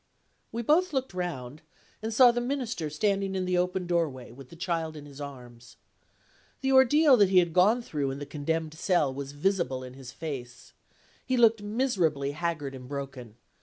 We both looked round and saw the Minister standing in the open doorway, with the child in his arms. The ordeal that he had gone through in the condemned cell was visible in his face; he looked miserably haggard and broken.